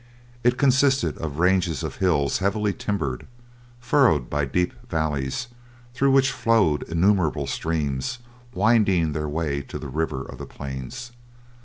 It consisted of ranges of hills heavily timbered, furrowed by deep valleys, through which flowed innumerable streams, winding their way to the river of the plains.